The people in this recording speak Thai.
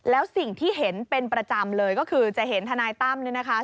แล้วสิ่งที่เห็นเป็นประจำเลยก็คือจะเห็นทนายตั้มเนี่ยนะคะ